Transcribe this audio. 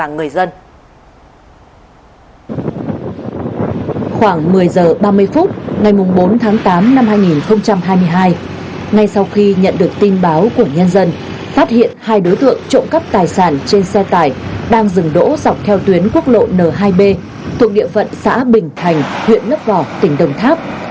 tám năm hai nghìn hai mươi hai ngay sau khi nhận được tin báo của nhân dân phát hiện hai đối tượng trộm cắp tài sản trên xe tải đang dừng đỗ dọc theo tuyến quốc lộ n hai b thuộc địa phận xã bình thành huyện lấp vỏ tỉnh đồng tháp